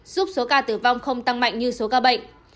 giúp số ca tử vong không tăng mạnh như số ca bệnh